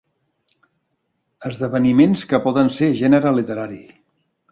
Esdeveniments que poden ser gènere literari.